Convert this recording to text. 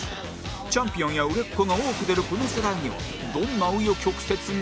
チャンピオンや売れっ子が多く出るこの世代にはどんな紆余曲折が？